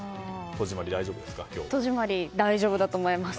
戸締まり大丈夫だと思います。